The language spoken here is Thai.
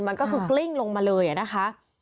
มันก็คือกลิ้งลงมาเลยนะคะ